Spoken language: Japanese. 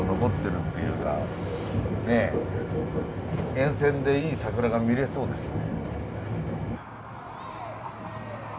沿線でいい桜が見れそうですね。